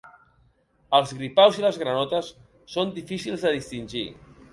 Els gripaus i les granotes són difícils de distingir.